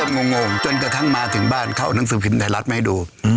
เริ่มงงงงจนกระทั่งมาถึงบ้านเขาเอานังสือพิมพ์ไทรัศน์มาให้ดู